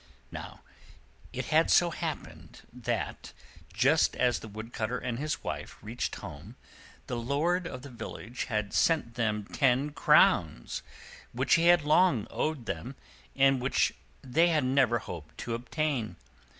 Now it had so happened that, just as the Woodcutter and his Wife reached home, the lord of the village had sent them ten crowns, which he had long owed them, and which they had never hoped to obtain.